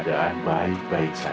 kita tidak bisa